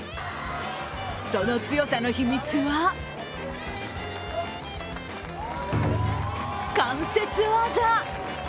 その強さの秘密は関節技。